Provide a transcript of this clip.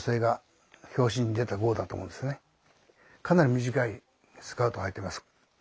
かなり短いスカートはいてます。